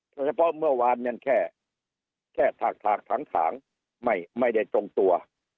เพราะเฉพาะเมื่อวานมันแค่แค่ถากถากทั้งไม่ได้ตรงตัว